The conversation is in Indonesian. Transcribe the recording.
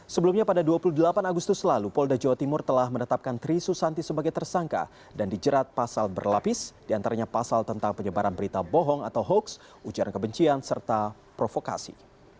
sebelumnya pada dua puluh delapan agustus lalu polda jawa timur telah menetapkan tri susanti sebagai tersangka dan dijerat pasal berlapis diantaranya pasal tentang penyebaran berita bohong atau hoaks ujaran kebencian serta provokasi